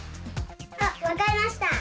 あわかりました！